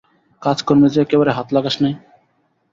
কাজকর্মে যে একেবারে হাত লাগাস নাই।